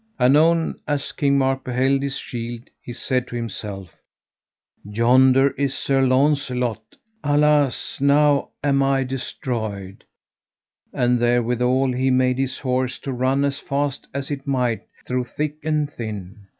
Anon, as King Mark beheld his shield, he said to himself: Yonder is Sir Launcelot; alas, now am I destroyed; and therewithal he made his horse to run as fast as it might through thick and thin.